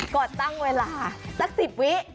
ก็ตั้งเวลาสัก๑๐วิ